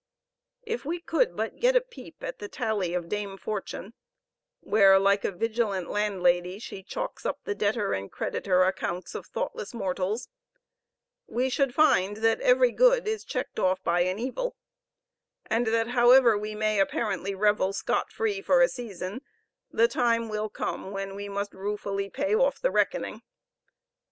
If we could but get a peep at the tally of Dame Fortune, where like a vigilant landlady she chalks up the debtor and creditor accounts of thoughtless mortals, we should find that every good is checked off by an evil; and that however we may apparently revel scot free for a season, the time will come when we must ruefully pay off the reckoning.